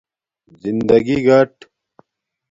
زندگݵ گھاٹ